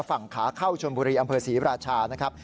ฝั่งขาเข้าชนบุรีอำเภอศรีราชานะครับ